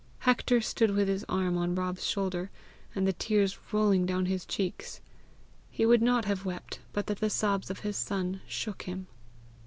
Hector stood with his arm on Rob's shoulder, and the tears rolling down his cheeks. He would not have wept but that the sobs of his son shook him.